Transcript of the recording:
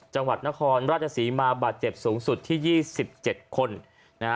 จังหวัดนครราชศรีมาบาดเจ็บสูงสุดที่๒๗คนนะฮะ